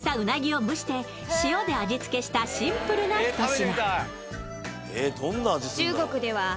ぶつ切りにしたうなぎを蒸して塩で味付けしたシンプルな一品。